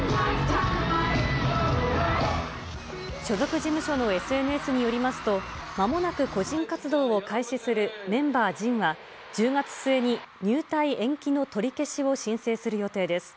所属事務所のＳＮＳによりますと、まもなく個人活動を開始するメンバー、ジンは１０月末に入隊延期の取り消しを申請する予定です。